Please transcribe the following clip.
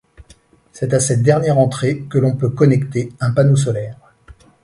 C’est à cette dernière entrée que l’on peut connecter un panneau solaire.